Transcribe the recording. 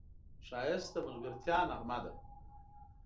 ښایست د ملګرتیا نغمه ده